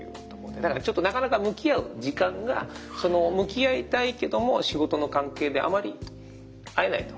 だからちょっとなかなか向き合う時間が向き合いたいけども仕事の関係であまり会えないと。